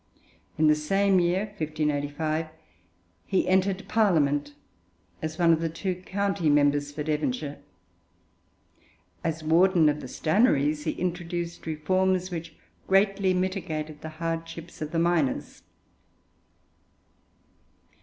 In the same year, 1585, he entered Parliament as one of the two county members for Devonshire. As Warden of the Stannaries he introduced reforms which greatly mitigated the hardships of the miners.